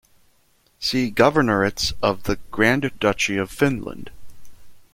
See Governorates of the Grand Duchy of Finland.